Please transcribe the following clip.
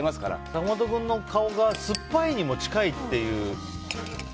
坂本君の顔が酸っぱいにも近いという。